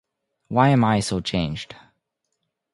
Why am I so changed?